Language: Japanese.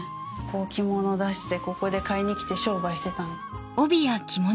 着物出してここで買いに来て商売してた。